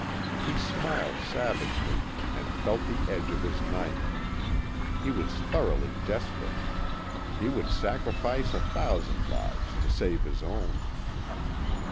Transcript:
He smiled savagely, and felt the edge of his knife. He was thoroughly desperate. He would sacrifice a thousand lives to save his own.